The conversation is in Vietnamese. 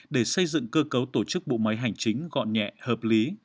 để xây dựng cơ cấu tổ chức bộ máy hành chính gọn nhẹ hợp lý